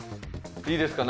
いいですか？